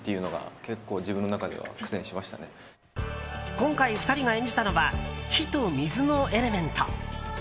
今回、２人が演じたのは火と水のエレメント。